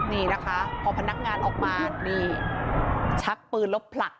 นี่นะคะพอพนักงานออกมานี่ชักปืนแล้วผลัก